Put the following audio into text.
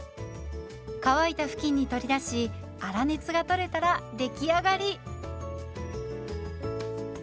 乾いた布巾に取り出し粗熱が取れたら出来上がり。